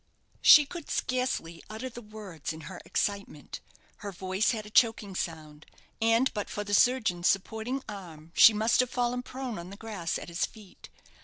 She could scarcely utter the words in her excitement. Her voice had a choking sound, and but for the surgeon's supporting arm she must have fallen prone on the grass at his feet.